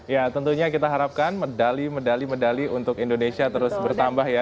ya tentunya kita harapkan medali medali medali untuk indonesia terus bertambah ya